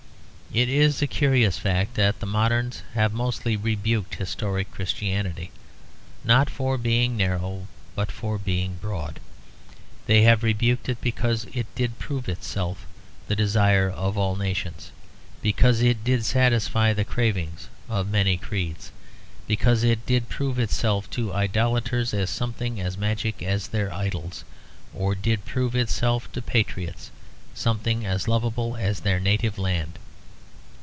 It is a curious fact that the moderns have mostly rebuked historic Christianity, not for being narrow, but for being broad. They have rebuked it because it did prove itself the desire of all nations, because it did satisfy the cravings of many creeds, because it did prove itself to idolaters as something as magic as their idols, or did prove itself to patriots something as lovable as their native land.